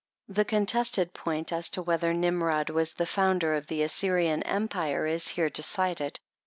The contested point, as to whether Nimrod was the founder of the Assyrian Empire, is here decided.